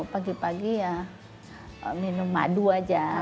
pagi pagi ya minum madu aja